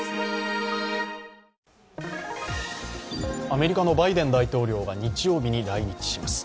アメリカのバイデン大統領が日曜日に来日します。